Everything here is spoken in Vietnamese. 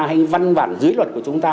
hay văn vản dưới luật của chúng ta